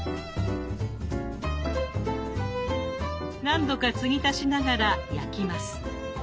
何度か継ぎ足しながら焼きます。